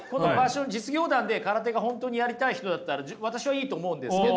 実業団で空手が本当にやりたい人だったら私はいいと思うんですけど。